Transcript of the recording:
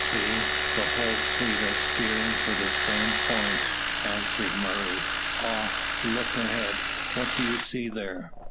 See, the whole fleet are steering for the same point," answered Murray. "Ah! look ahead; what do you see there?"